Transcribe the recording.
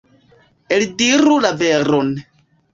Eldiru la veron.